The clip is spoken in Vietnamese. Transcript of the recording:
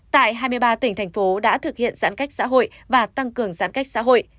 tại hai mươi ba tỉnh thành phố đã thực hiện giãn cách xã hội và tăng cường giãn cách xã hội